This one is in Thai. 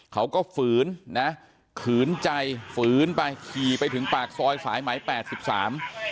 เขาก็ฝืนนะขืนใจฝืนไปขี่ไปถึงปากซอยสายไหม๘๓